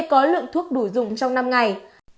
có lượng thuốc đủ dùng trong năm ngày